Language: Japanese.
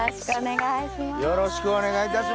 よろしくお願いします。